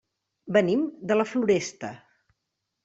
Venim de la Floresta.